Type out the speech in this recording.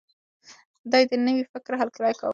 ده د نوي فکر هرکلی کاوه.